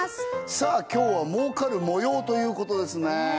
さあ今日は儲かる模様ということですねね